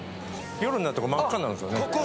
夜になると真っ赤になるんですよね。